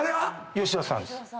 吉田さんです。